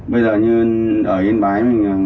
bây giờ như ở yên bái